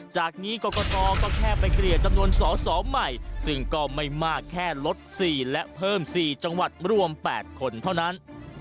จากนี้กรกตก็แค่ไปเกลี่ยจำนวนสอสอใหม่ซึ่งก็ไม่มากแค่ลด๔และเพิ่ม๔จังหวัดรวม๘คนเท่านั้น